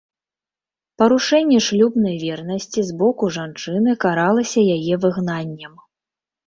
Парушэнне шлюбнай вернасці з боку жанчыны каралася яе выгнаннем.